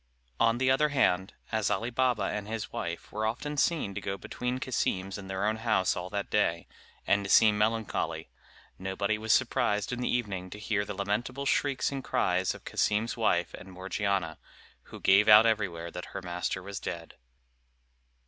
On the other hand, as Ali Baba and his wife were often seen to go between Cassim's and their own house all that day, and to seem melancholy, nobody was surprised in the evening to hear the lamentable shrieks and cries of Cassim's wife and Morgiana, who gave out everywhere that her master was dead.